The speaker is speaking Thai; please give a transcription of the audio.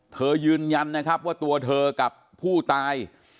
ยืนยันนะครับว่าตัวเธอกับผู้ตาย